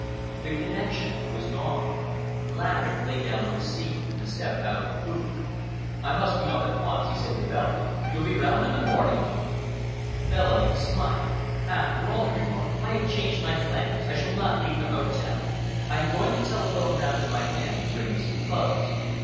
The connection was gone. Laverick laid down the receiver and stepped out of the booth. "I must be off at once," he said to Bellamy. "You'll be round in the morning?" Bellamy smiled. "After all," he remarked, "I have changed my plans. I shall not leave the hotel. I am going to telephone round to my man to bring me some clothes.